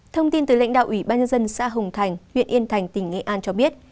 thông tin từ lãnh đạo ủy ban nhân dân xã hồng thành huyện yên thành tỉnh nghệ an cho biết